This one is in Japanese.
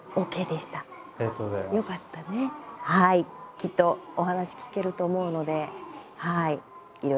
きっとお話聞けると思うのではいいろいろ学んでください。